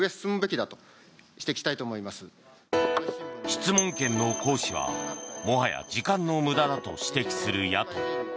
質問権の行使は、もはや時間の無駄だと指摘する野党。